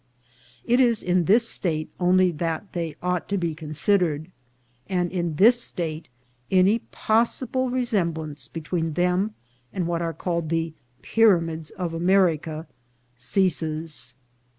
It is in this state only that they ought to be considered, and in this state any pos sible resemblance between them and what are called the pyramids of America, ceases.